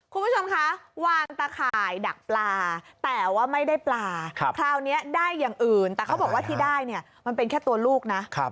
คุณผู้ชมคะวางตะข่ายดักปลาแต่ว่าไม่ได้ปลาคราวนี้ได้อย่างอื่นแต่เขาบอกว่าที่ได้เนี่ยมันเป็นแค่ตัวลูกนะ